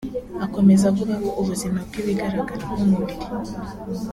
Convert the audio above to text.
Akomeza avuga ko ubuzima bw’ibigaragara nk’umubiri